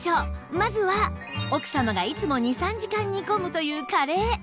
まずは奥様がいつも２３時間煮込むというカレー